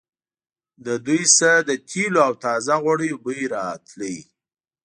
له دوی نه د تېلو او تازه غوړیو بوی راته.